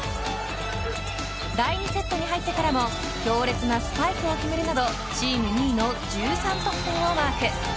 第２セットに入ってからも強烈なスパイクを決めるなどチーム２位の１３得点をマーク。